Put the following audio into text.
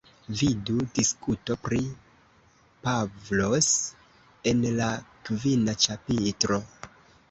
Vidu diskuto pri Pavlos en la kvina ĉapitro.